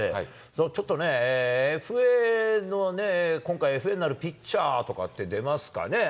ちょっとね、ＦＡの、今回、ＦＡになるピッチャーとかって出ますかね？